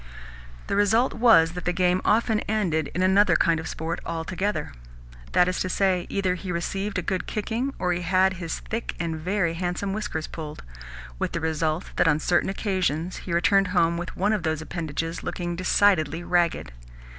The result was that the game often ended in another kind of sport altogether. That is to say, either he received a good kicking, or he had his thick and very handsome whiskers pulled; with the result that on certain occasions he returned home with one of those appendages looking decidedly ragged.